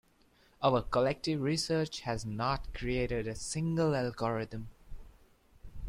Our collective research has not created a single algorithm.